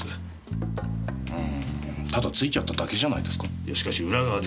あただ付いちゃっただけじゃないですか？